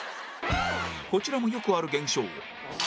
こちらもよくある現象